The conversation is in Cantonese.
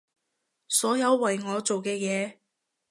所有為我做嘅嘢